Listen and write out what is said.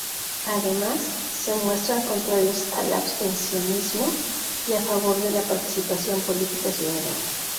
Además, se muestran contrarios al abstencionismo y a favor de la participación política ciudadana.